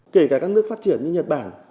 kể cả các nước phát triển như nhật bản